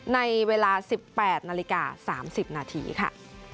ในเวลาสิบแปดนาฬิกาสามสิบนาทีค่ะ